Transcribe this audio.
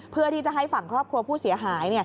เพื่อที่จะให้ฝั่งครอบครัวผู้เสียหาย